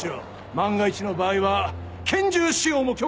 万が一の場合は拳銃使用も許可する。